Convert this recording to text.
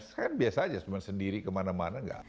saya kan biasa saja sendiri kemana mana